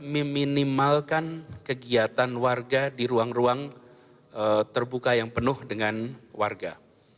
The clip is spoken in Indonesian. meminimalkan kegiatan warga di ruang ruang terbuka yang penuh dengan warga